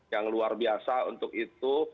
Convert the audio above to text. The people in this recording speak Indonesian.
yang luar biasa untuk itu